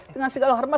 dengan segala hormat